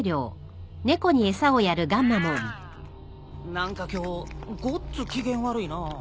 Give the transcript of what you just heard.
何か今日ごっつ機嫌悪いなぁ。